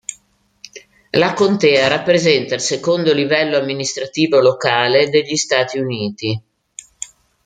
La contea rappresenta il secondo livello amministrativo locale degli Stati Uniti.